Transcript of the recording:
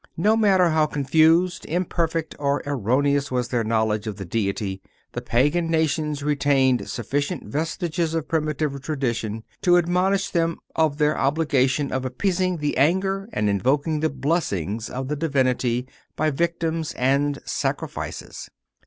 No matter how confused, imperfect or erroneous was their knowledge of the Deity, the Pagan nations retained sufficient vestiges of primitive tradition to admonish them of their obligation of appeasing the anger and invoking the blessings of the Divinity by victims and sacrifices.